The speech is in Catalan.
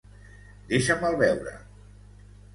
Deixa-me'l veure.